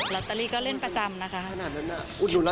รัตเตอรี่ก็เล่นประจำนะคะ